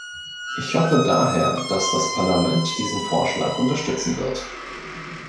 Ich hoffe daher, dass das Parlament diesen Vorschlag unterstützen wird.